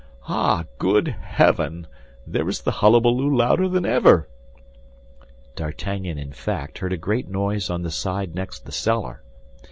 Ah, good heaven! There is the hullabaloo louder than ever!" D'Artagnan, in fact, heard a great noise on the side next the cellar.